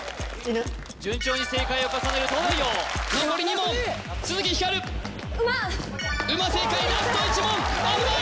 順調に正解を重ねる東大王残り２問鈴木光馬正解ラスト１問危ない！